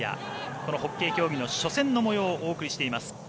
このホッケー競技の初戦の模様をお送りしています。